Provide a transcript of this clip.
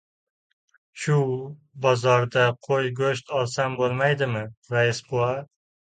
Shu... bozordan qo‘y go‘sht olsam bo‘lmaydimi, rais bova?